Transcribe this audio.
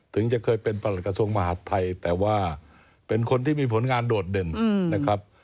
ถึงจะเคยเป็นประหลักกระทรวงมหาดไทยแต่ว่าเป็นคนที่มีผลงานโดดเด่นนะครับ